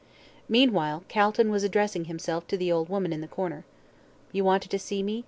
Meanwhile, Calton was addressing himself to the old woman in the corner. "You wanted to see me?"